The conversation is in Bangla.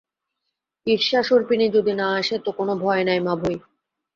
ঈর্ষা-সর্পিণী যদি না আসে তো কোন ভয় নাই, মাভৈঃ।